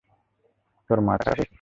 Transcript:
তোর মাথা খারাপ হয়েছে?